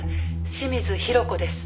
清水裕子です」